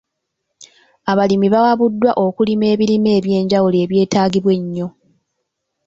Abalimi bawabuddwa okulima ebirime eby'enjawulo ebyetaagibwa ennyo.